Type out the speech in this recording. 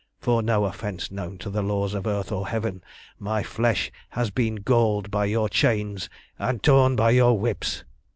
For no offence known to the laws of earth or Heaven my flesh has been galled by your chains and torn by your whips.